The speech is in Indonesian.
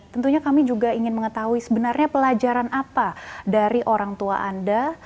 tentunya kami juga ingin mengetahui sebenarnya pelajaran apa dari orang tua anda